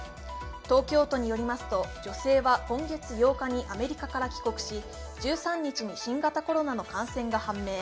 東京都によりますと、女性は今月８日にアメリカから帰国し、１３日に新型コロナの感染が判明。